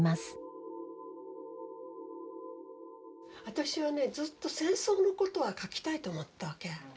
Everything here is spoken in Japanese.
私はねずっと戦争のことは書きたいと思ってたわけ。